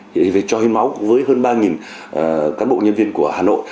thì phải cho hiến máu với hơn ba cán bộ nhân viên của hà nội